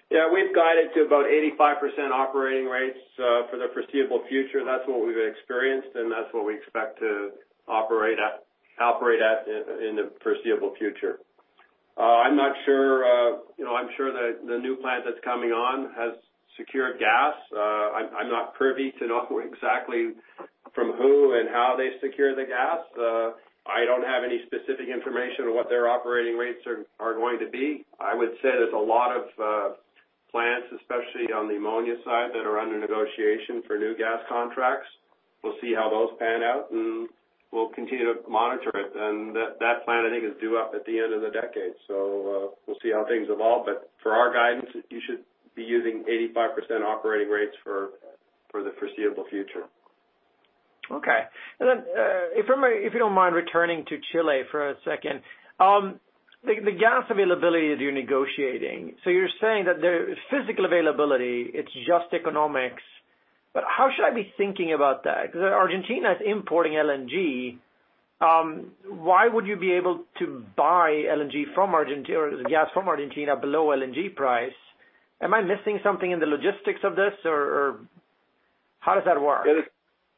Speaker 3: Yeah. We've guided to about 85% operating rates for the foreseeable future. That's what we've experienced, and that's what we expect to operate at in the foreseeable future. I'm sure that the new plant that's coming on has secured gas. I'm not privy to know exactly from who and how they secure the gas. I don't have any specific information on what their operating rates are going to be. I would say there's a lot of plants, especially on the ammonia side, that are under negotiation for new gas contracts. We'll see how those pan out, and we'll continue to monitor it. That plant, I think, is due up at the end of the decade. We'll see how things evolve. For our guidance, you should be using 85% operating rates for the foreseeable future.
Speaker 12: Okay. Then, if you don't mind returning to Chile for a second. The gas availability that you're negotiating. You're saying that there is physical availability, it's just economics. How should I be thinking about that? Because Argentina is importing LNG. Why would you be able to buy gas from Argentina below LNG price? Am I missing something in the logistics of this, or how does that work?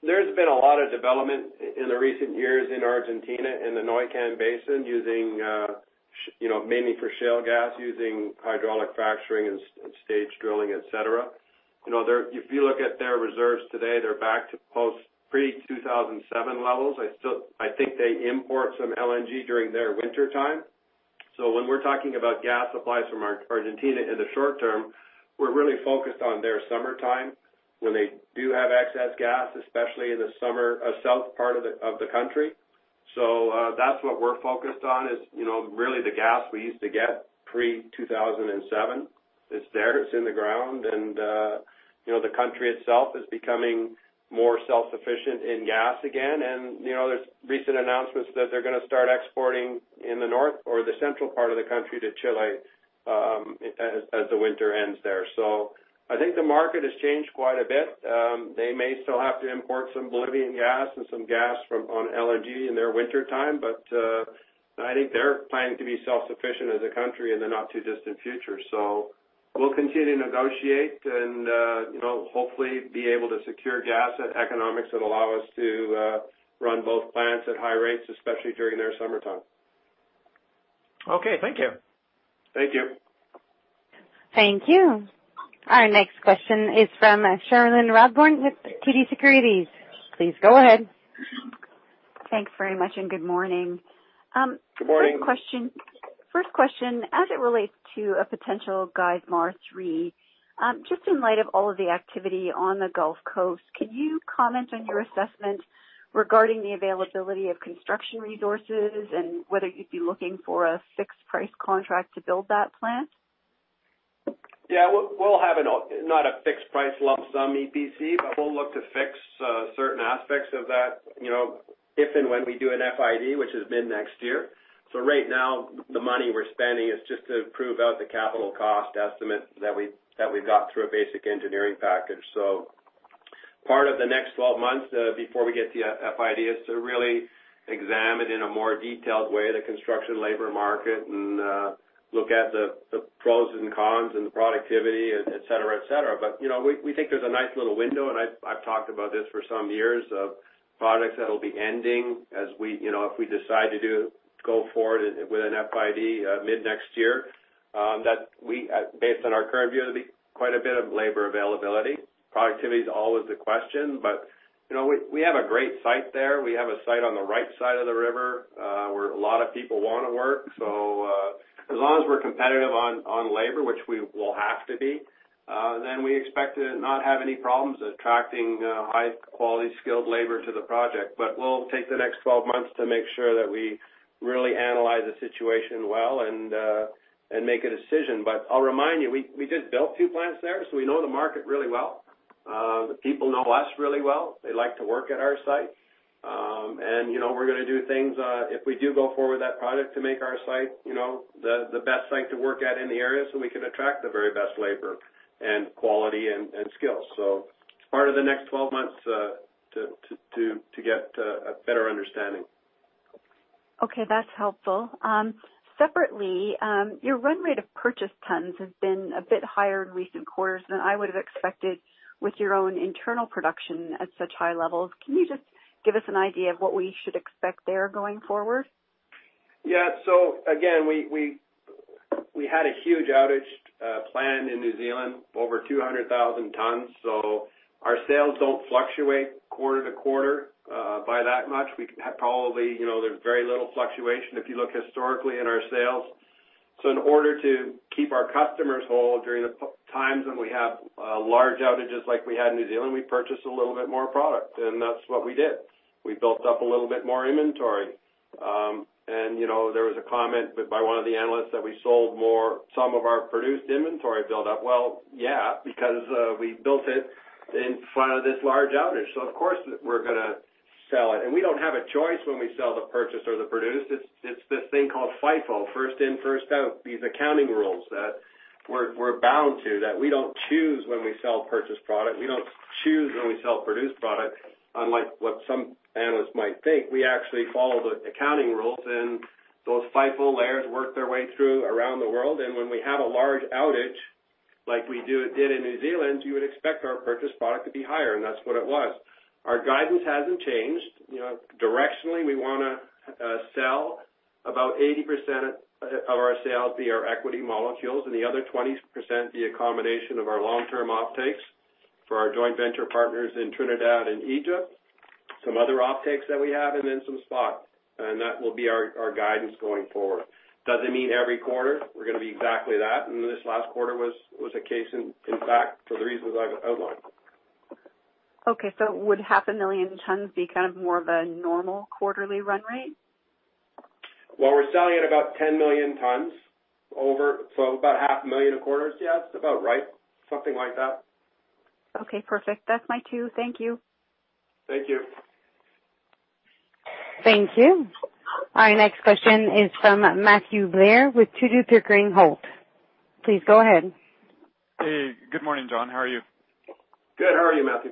Speaker 3: There's been a lot of development in the recent years in Argentina, in the Neuquén Basin, mainly for shale gas, using hydraulic fracturing and stage drilling, et cetera. If you look at their reserves today, they're back to post pre-2007 levels. I think they import some LNG during their wintertime. When we're talking about gas supplies from Argentina in the short term, we're really focused on their summertime when they do have excess gas, especially in the summer, south part of the country. That's what we're focused on is really the gas we used to get pre-2007. It's there, it's in the ground, and the country itself is becoming more self-sufficient in gas again. There's recent announcements that they're going to start exporting in the north or the central part of the country to Chile as the winter ends there. I think the market has changed quite a bit. They may still have to import some Bolivian gas and some gas on LNG in their wintertime, I think they're planning to be self-sufficient as a country in the not too distant future. We'll continue to negotiate and hopefully be able to secure gas at economics that allow us to run both plants at high rates, especially during their summertime.
Speaker 12: Okay. Thank you.
Speaker 3: Thank you.
Speaker 1: Thank you. Our next question is from Cheryl Sandhu with TD Securities. Please go ahead.
Speaker 13: Thanks very much, and good morning.
Speaker 3: Good morning.
Speaker 13: First question, as it relates to a potential Geismar 3, just in light of all of the activity on the Gulf Coast, could you comment on your assessment regarding the availability of construction resources and whether you'd be looking for a fixed price contract to build that plant?
Speaker 3: We'll have not a fixed price lump sum EPC, but we'll look to fix certain aspects of that if and when we do an FID, which is mid-next year. Right now, the money we're spending is just to prove out the capital cost estimate that we've got through a basic engineering package. Part of the next 12 months before we get to FID is to really examine in a more detailed way the construction labor market and look at the pros and cons and the productivity, et cetera. We think there's a nice little window, and I've talked about this for some years, of projects that'll be ending if we decide to go forward with an FID mid-next year. Based on our current view, there'll be quite a bit of labor availability. Productivity is always a question, but we have a great site there. We have a site on the right side of the river where a lot of people want to work. As long as we're competitive on labor, which we will have to be, then we expect to not have any problems attracting high-quality, skilled labor to the project. We'll take the next 12 months to make sure that we really analyze the situation well and make a decision. I'll remind you, we just built two plants there, so we know the market really well. The people know us really well. They like to work at our site. We're going to do things, if we do go forward with that project, to make our site the best site to work at in the area so we can attract the very best labor and quality and skills. It's part of the next 12 months to get a better understanding.
Speaker 13: Okay, that's helpful. Separately, your run rate of purchase tons has been a bit higher in recent quarters than I would have expected with your own internal production at such high levels. Can you just give us an idea of what we should expect there going forward?
Speaker 3: Yeah. Again, we had a huge outage planned in New Zealand, over 200,000 tons. Our sales don't fluctuate quarter to quarter by that much. There's very little fluctuation if you look historically at our sales. In order to keep our customers whole during the times when we have large outages like we had in New Zealand, we purchase a little bit more product, and that's what we did. We built up a little bit more inventory. There was a comment by one of the analysts that we sold some of our produced inventory buildup. Well, yeah, because we built it in front of this large outage, so of course we're going to sell it. We don't have a choice when we sell the purchase or the produce. It's this thing called FIFO, first in, first out, these accounting rules that we're bound to, that we don't choose when we sell purchased product. We don't choose when we sell produced product, unlike what some analysts might think. We actually follow the accounting rules, and those FIFO layers work their way through around the world. When we have a large outage like we did in New Zealand, you would expect our purchased product to be higher, and that's what it was. Our guidance hasn't changed. Directionally, we want to sell about 80% of our sales via our equity molecules and the other 20% via combination of our long-term offtakes for our joint venture partners in Trinidad and Egypt, some other offtakes that we have, and then some spot. That will be our guidance going forward. Doesn't mean every quarter we're going to be exactly that, this last quarter was a case, in fact, for the reasons I've outlined.
Speaker 13: Okay, would half a million tons be kind of more of a normal quarterly run rate?
Speaker 3: Well, we're selling at about 10 million tons over, about half a million a quarter is, yeah, it's about right. Something like that.
Speaker 13: Okay, perfect. That's my cue. Thank you.
Speaker 3: Thank you.
Speaker 1: Thank you. Our next question is from Matthew Blair with Tudor, Pickering Holt. Please go ahead.
Speaker 14: Hey. Good morning, John. How are you?
Speaker 3: Good. How are you, Matthew?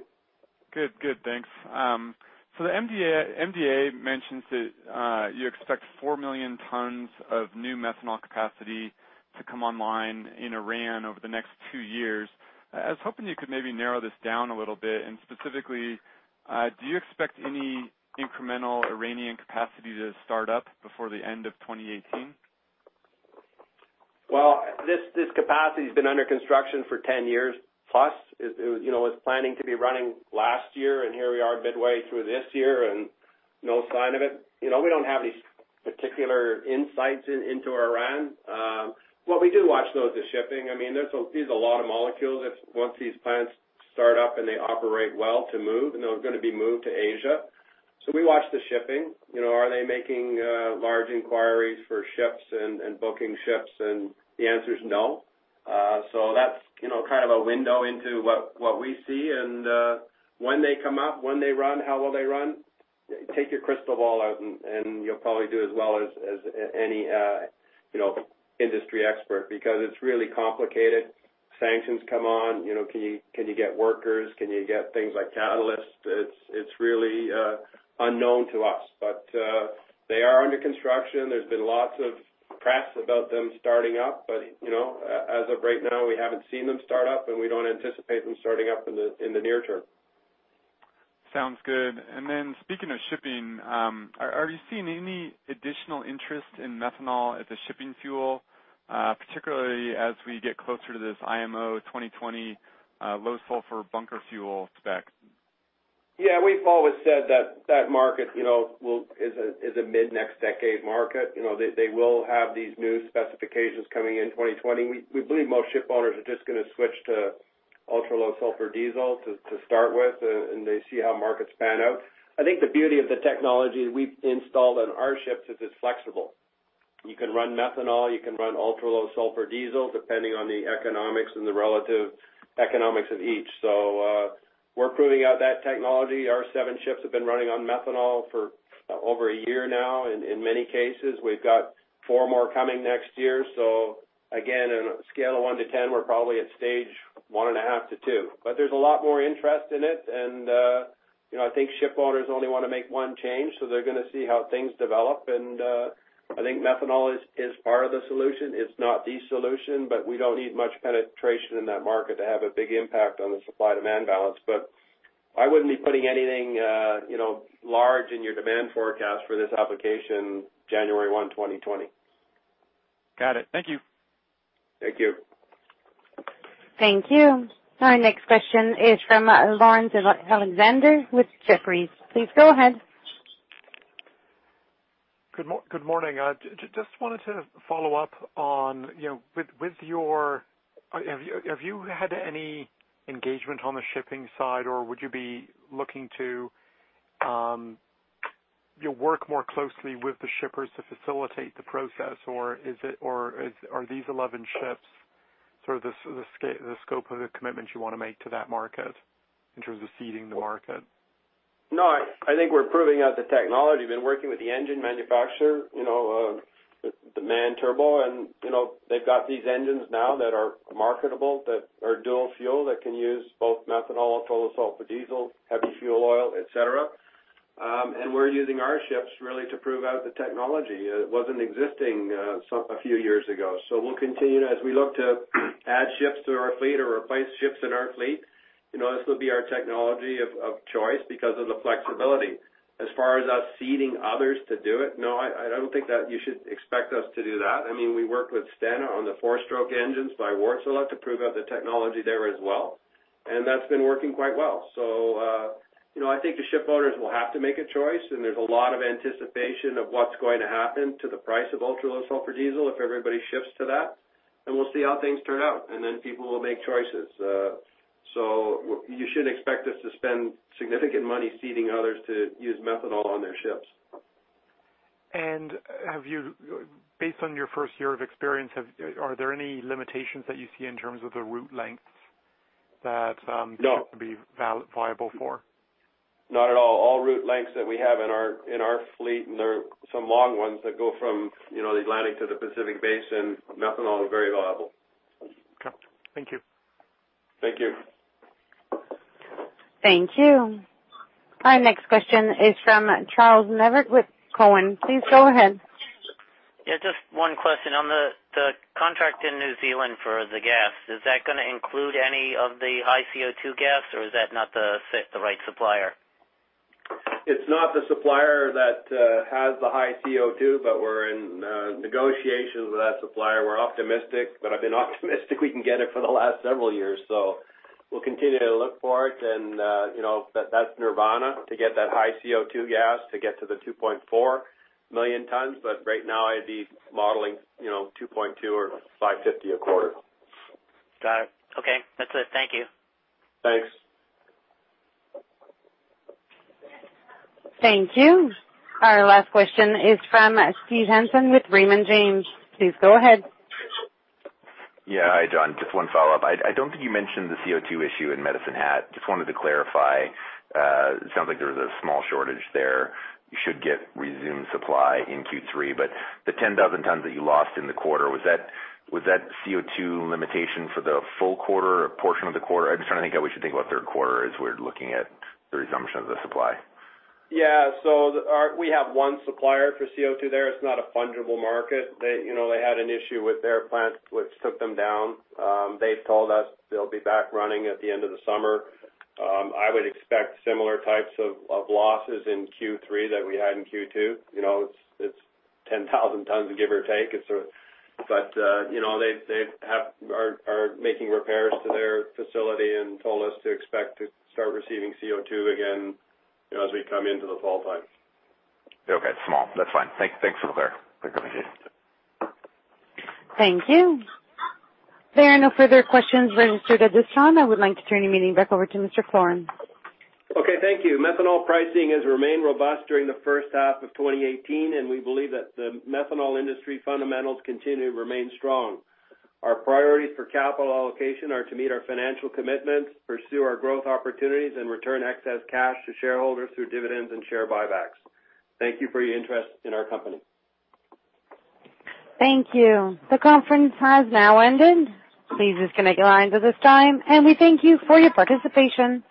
Speaker 14: Good. Thanks. The MD&A mentions that you expect 4 million tons of new methanol capacity to come online in Iran over the next 2 years. I was hoping you could maybe narrow this down a little bit, and specifically, do you expect any incremental Iranian capacity to start up before the end of 2018?
Speaker 3: This capacity's been under construction for 10 years plus. It was planning to be running last year, and here we are midway through this year and no sign of it. We don't have any particular insights into Iran. We do watch, though, the shipping. There's a lot of molecules, once these plants start up and they operate well to move, and they're going to be moved to Asia. We watch the shipping. Are they making large inquiries for ships and booking ships? The answer is no. That's kind of a window into what we see. When they come up, when they run, how will they run? Take your crystal ball out and you'll probably do as well as any industry expert, because it's really complicated. Sanctions come on. Can you get workers? Can you get things like catalysts? It's really unknown to us. They are under construction. There's been lots of press about them starting up, but as of right now, we haven't seen them start up, and we don't anticipate them starting up in the near term.
Speaker 14: Sounds good. Speaking of shipping, are you seeing any additional interest in methanol as a shipping fuel, particularly as we get closer to this IMO 2020 low sulfur bunker fuel spec?
Speaker 3: Yeah. We've always said that market is a mid-next decade market. They will have these new specifications coming in 2020. We believe most ship owners are just going to switch to ultra-low sulfur diesel to start with. They see how markets pan out. I think the beauty of the technology we've installed on our ships is it's flexible. You can run methanol, you can run ultra-low sulfur diesel, depending on the economics and the relative economics of each. We're proving out that technology. Our seven ships have been running on methanol for over a year now, in many cases. We've got four more coming next year. Again, on a scale of one to 10, we're probably at stage 1 and a half to 2. There's a lot more interest in it. I think ship owners only want to make one change. They're going to see how things develop. I think methanol is part of the solution. It's not the solution. We don't need much penetration in that market to have a big impact on the supply-demand balance. I wouldn't be putting anything large in your demand forecast for this application January 1, 2020.
Speaker 14: Got it. Thank you.
Speaker 3: Thank you.
Speaker 1: Thank you. Our next question is from Laurence Alexander with Jefferies. Please go ahead.
Speaker 15: Good morning. Just wanted to follow up on, have you had any engagement on the shipping side, or would you be looking to work more closely with the shippers to facilitate the process, or are these 11 ships sort of the scope of the commitment you want to make to that market in terms of seeding the market?
Speaker 3: No, I think we're proving out the technology. We've been working with the engine manufacturer, MAN Turbo, and they've got these engines now that are marketable, that are dual fuel, that can use both methanol, ultra-low sulfur diesel, heavy fuel oil, et cetera. We're using our ships really to prove out the technology. It wasn't existing some a few years ago. We'll continue as we look to add ships to our fleet or replace ships in our fleet. This will be our technology of choice because of the flexibility. As far as us seeding others to do it, no, I don't think that you should expect us to do that. We work with Stena on the four-stroke engines by Wärtsilä to prove out the technology there as well, and that's been working quite well. I think the ship owners will have to make a choice. There's a lot of anticipation of what's going to happen to the price of ultra-low sulfur diesel if everybody shifts to that. We'll see how things turn out. Then people will make choices. You shouldn't expect us to spend significant money seeding others to use methanol on their ships.
Speaker 15: Based on your first year of experience, are there any limitations that you see in terms of the route lengths that-
Speaker 3: No
Speaker 15: this would be viable for?
Speaker 3: Not at all. All route lengths that we have in our fleet, there are some long ones that go from the Atlantic to the Pacific Basin, methanol is very viable.
Speaker 15: Okay. Thank you.
Speaker 3: Thank you.
Speaker 1: Thank you. Our next question is from Charles Neivert with Cowen. Please go ahead.
Speaker 16: Yeah, just one question. On the contract in New Zealand for the gas, is that going to include any of the high CO2 gas, or is that not the right supplier?
Speaker 3: It's not the supplier that has the high CO2, we're in negotiations with that supplier. We're optimistic, I've been optimistic we can get it for the last several years. We'll continue to look for it, and that's nirvana to get that high CO2 gas to get to the 2.4 million tons. Right now, I'd be modeling 2.2 or 550 a quarter.
Speaker 16: Got it. Okay. That's it. Thank you.
Speaker 3: Thanks.
Speaker 1: Thank you. Our last question is from Steve Hansen with Raymond James. Please go ahead.
Speaker 4: Yeah. Hi, John. Just one follow-up. I don't think you mentioned the CO2 issue in Medicine Hat. Just wanted to clarify. It sounds like there was a small shortage there. You should get resumed supply in Q3, the 10,000 tons that you lost in the quarter, was that CO2 limitation for the full quarter or a portion of the quarter? I'm just trying to think how we should think about third quarter as we're looking at the resumption of the supply.
Speaker 3: Yeah. We have one supplier for CO2 there. It is not a fungible market. They had an issue with their plant, which took them down. They have told us they will be back running at the end of the summer. I would expect similar types of losses in Q3 that we had in Q2. It is 10,000 tons, give or take. They are making repairs to their facility and told us to expect to start receiving CO2 again as we come into the fall time.
Speaker 4: Okay. Small. That's fine. Thanks. Thanks for the clarity. Appreciate it.
Speaker 1: Thank you. There are no further questions registered at this time. I would like to turn the meeting back over to Mr. Floren.
Speaker 3: Okay. Thank you. Methanol pricing has remained robust during the first half of 2018, and we believe that the methanol industry fundamentals continue to remain strong. Our priorities for capital allocation are to meet our financial commitments, pursue our growth opportunities, and return excess cash to shareholders through dividends and share buybacks. Thank you for your interest in our company.
Speaker 1: Thank you. The conference has now ended. Please disconnect your lines at this time, and we thank you for your participation.